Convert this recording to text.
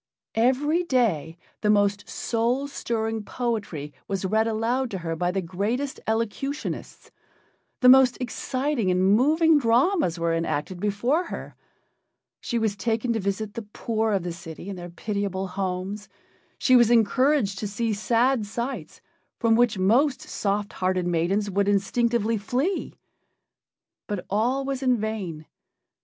Every day the most soul stirring poetry was read aloud to her by the greatest elocutionists, the most exciting and moving dramas were enacted before her; she was taken to visit the poor of the city in their pitiable homes; she was encouraged to see sad sights from which most soft hearted maidens would instinctively flee. But all was in vain.